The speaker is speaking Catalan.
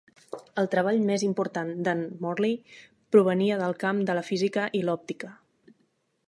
El treball més important de"n Morley provenia del camp de la física i l"òptica.